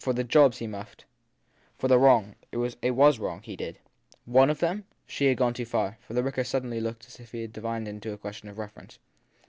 For the jobs he muffed ? For the wrong as it was wrong he did. "One" of them? She had gone too far, for the vicar suddenly looked as if he divined in the question a reference.